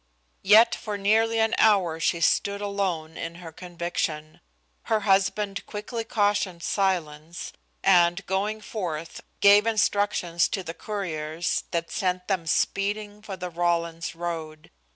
Yet for nearly an hour she stood alone in her conviction. Her husband quickly cautioned silence, and, going forth, gave instructions to the couriers that sent them speeding for the Rawlins road.